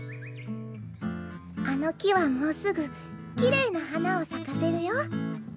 あの木はもうすぐきれいな花を咲かせるよ。